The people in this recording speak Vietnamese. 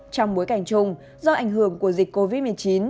trong bối cảnh chung do ảnh hưởng của dịch covid một mươi chín